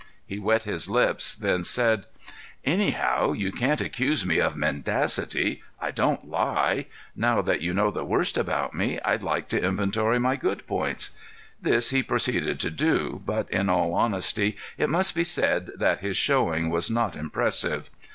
He wet his lips, then said: "Anyhow, you can't accuse me of mendacity. I don't lie. Now that you know the worst about me, I'd like to inventory my good points." This he proceeded to do, but in all honesty it must be said that his showing was not impressive.